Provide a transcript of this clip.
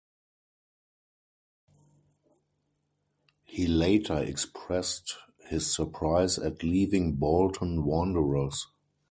He later expressed his surprise at leaving Bolton Wanderers.